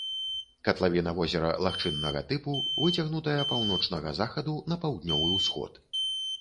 Катлавіна возера лагчыннага тыпу, выцягнутая паўночнага захаду на паўднёвы ўсход.